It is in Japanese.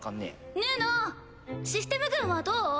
ヌーノシステム群はどう？